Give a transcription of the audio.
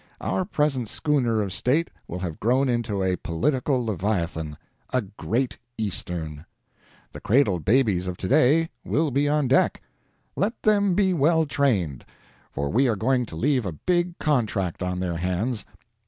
Our present schooner of State will have grown into a political leviathan — a Great Eastern. The cradled babies of to day will be on deck. Let them be well trained, for we are going to leave a big contract on their hands.